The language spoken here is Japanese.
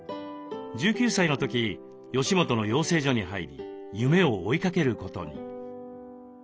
１９歳の時吉本の養成所に入り夢を追いかけることに。